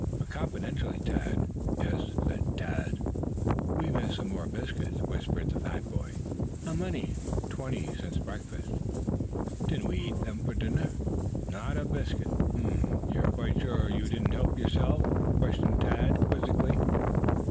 "But confidentially, Tad." "Yes?" "We've missed some more biscuit," whispered the fat boy. "How many?" "Twenty since breakfast." "Didn't we eat them for dinner?" "Not a bisc." "Hm m! You are quite sure you didn't help yourself?" questioned Tad quizzically.